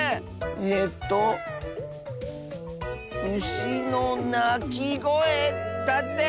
えと「うしのなきごえ」だって！